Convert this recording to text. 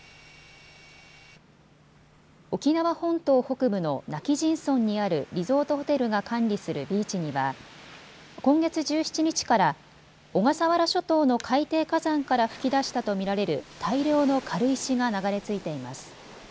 沖縄本島北部の今帰仁村にあるリゾートホテルが管理するビーチには今月１７日から小笠原諸島の海底火山から噴き出したと見られる大量の軽石が流れ着いています。